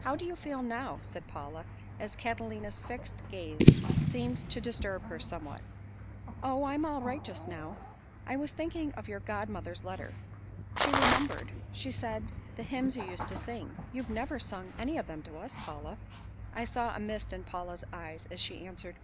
"How do you feel now?" said Paula as Catalina's fixed gaze seemed to disturb her somewhat. "Oh, I'm all right just now. I was thinking of your god mother's letter. She remembered, she said, the hymns you used to sing. You've never sung any of them to us, Paula." I saw a mist in Paula's eyes as she answered.